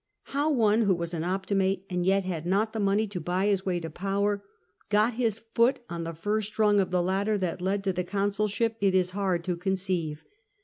How one who was an Opti mate, and yet had not the money to buy his way to power, got his foot on the first rung of the ladder that led to the consulship, it is hard to conceive.